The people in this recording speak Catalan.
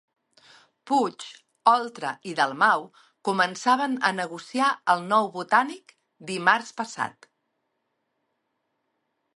Puig, Oltra i Dalmau començaven a negociar el nou Botànic dimarts passat.